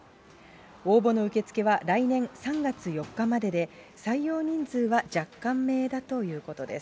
応募の受け付けは来年３月４日までで、採用人数は若干名だということです。